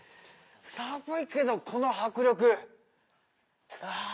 寒いけどこの迫力あぁ。